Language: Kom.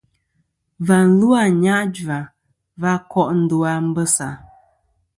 Và lu a Anyajua va ko' ndu a Mbessa.